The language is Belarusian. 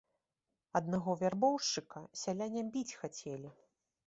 Аднаго вярбоўшчыка сяляне біць хацелі.